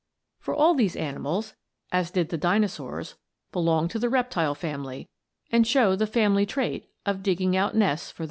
For all these animals, as did the Dinosaurs, belong to the reptile family, and show the family trait of digging out nests for their eggs.